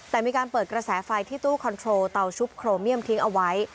แต่มีการเปิดกระแสไฟที่ตู้คอนโทรเตาชุบโครเมียมทิ้งเอาไว้